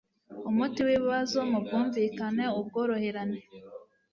umuti w ibibazo mu bwumvikane ubworoherane